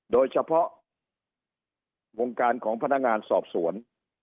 โดยเฉพาะวงการของพนักงานสอบสวน